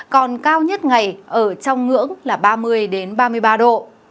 còn cao nhất ngày ở trong ngưỡng là ba mươi ba mươi ba độ